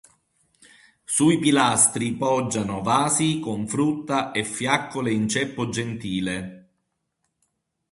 Sui pilastri poggiano vasi con frutta e fiaccole in ceppo gentile.